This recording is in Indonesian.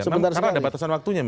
karena ada batasan waktunya